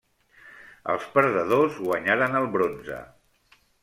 Els perdedors guanyaren el bronze.